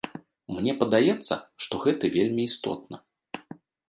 Мне падаецца, што гэты вельмі істотна.